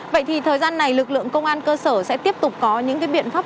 vậy thì thời gian này lực lượng công an cơ sở sẽ tiếp tục có những biện pháp